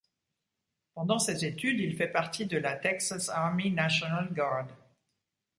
Pendant ses études, il fait partie de la Texas Army National Guard.